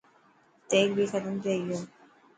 تيل بي ختم ٿي گيو.